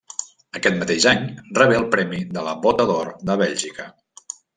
Aquest mateix any rebé el premi de la Bota d'Or de Bèlgica.